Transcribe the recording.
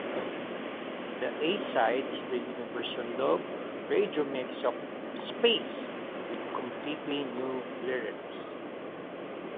The A-side is the Universal Love Radio Remix of "Space", with completely new lyrics.